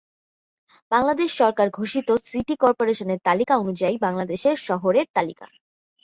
বাংলাদেশ সরকার ঘোষিত সিটি কর্পোরেশনের তালিকা অনুযায়ী বাংলাদেশের শহরের তালিকা।